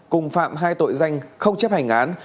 cùng phạm hai tội danh không chấp hành án